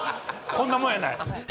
こんなもんやない。